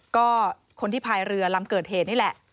ก็คนที่พายเรือลำเกิดเหตุนี่แหละ